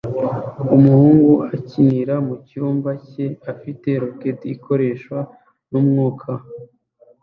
Umuhungu akinira mu cyumba cye afite roketi ikoreshwa n'umwuka